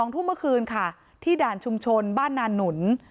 ทุ่มเมื่อคืนค่ะที่ด่านชุมชนบ้านนานหนุน